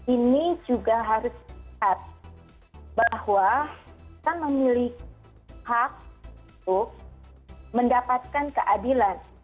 ini juga harus dilihat bahwa kita memiliki hak untuk mendapatkan keadilan